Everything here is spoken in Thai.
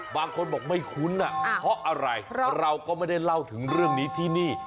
บางคนบอกไม่คุ้นเพราะอะไรเราก็ไม่ได้เล่าถึงเรื่องนี้ที่นี่